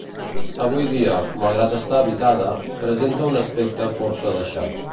Avui dia, malgrat estar habitada, presenta un aspecte força deixat.